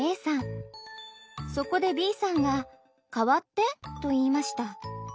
そこでＢさんが「代わって」と言いました。